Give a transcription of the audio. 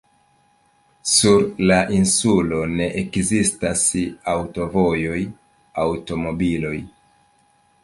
Sur la insulo ne ekzistas aŭtovojoj, aŭtomobiloj.